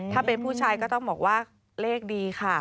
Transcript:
ถ้าเป็นผู้ชายก็ต้องบอกว่าเลขดีค่ะ